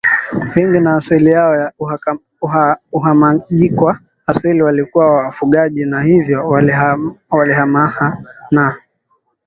vingi na asili yao ya uhamajiKwa asili walikuwa wafugaji na hivyo walihamahama na